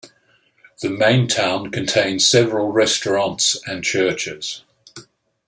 The main town contains several restaurants and churches.